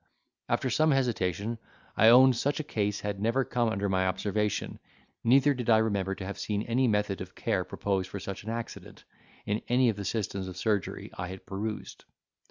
After some hesitation, I owned such a case had never come under my observation, neither did I remember to have seen any method of care proposed for such an accident, in any of the systems of surgery I had perused.